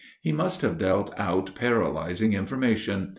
He must have dealt out paralyzing information.